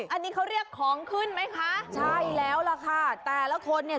อันนี้เขาเรียกของขึ้นไหมคะใช่แล้วล่ะค่ะแต่ละคนเนี่ย